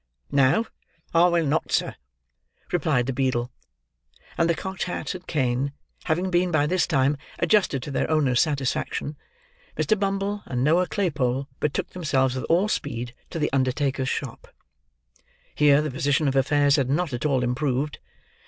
"No, I will not, sir," replied the beadle. And the cocked hat and cane having been, by this time, adjusted to their owner's satisfaction, Mr. Bumble and Noah Claypole betook themselves with all speed to the undertaker's shop. Here the position of affairs had not at all improved.